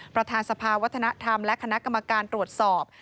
ประธานสภาวัฒนธรรมและคณะกรรมการตรวจสอบ